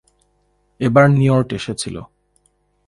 এবার নিয়র্ট এসেছিল।